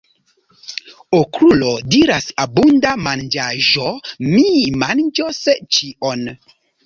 Okrulo diras: "Abunda manĝaĵo! Mi manĝos ĉion!"